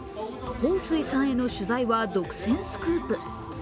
彭帥さんへの取材は独占スクープ。